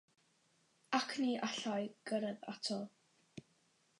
Ac ni allai gyrraedd ato.